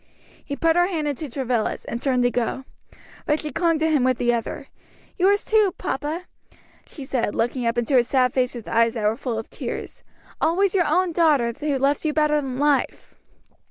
He put her hand into Travilla's, and turned to go. But she clung to him with the other. "Yours too, papa," she said, looking up into his sad face with eyes that were full of tears, "always your own daughter who loves you better than life."